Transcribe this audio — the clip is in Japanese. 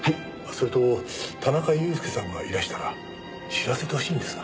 それと田中裕介さんがいらしたら知らせてほしいんですが。